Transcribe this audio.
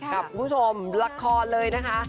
คุณผู้ชมละครเลยนะคะ